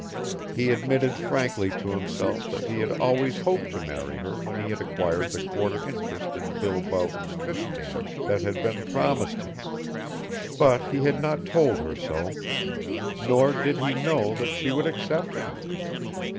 He admitted frankly to himself that he had always hoped to marry her when he had acquired the quarter interest in Bill Boughton's fishstand that had been promised him, but he had not told her so, nor did he know that she would accept him.